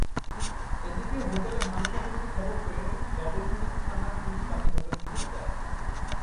এদিকে হোটেলে ভাঙচুর হচ্ছে খবর পেয়ে ডবলমুরিং থানার পুলিশ রাতে ঘটনাস্থলে যায়।